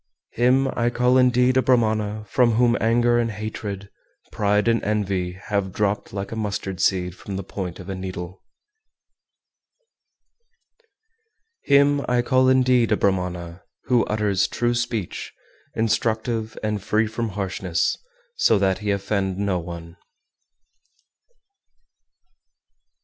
407. Him I call indeed a Brahmana from whom anger and hatred, pride and envy have dropt like a mustard seed from the point of a needle. 408. Him I call indeed a Brahmana who utters true speech, instructive and free from harshness, so that he offend no one.